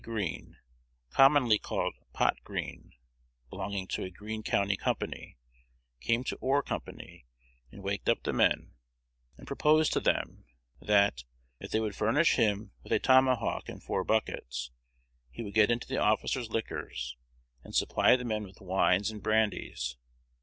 Green, commonly called 'Pot Green,' belonging to a Green county company, came to oar company, and waked up the men, and proposed to them, that, if they would furnish him with a tomahawk and four buckets, he would get into the officers' liquors, and supply the men with wines and brandies.